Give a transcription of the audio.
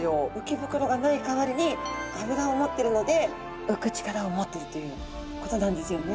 鰾がない代わりに脂を持ってるので浮く力を持っているということなんですよね。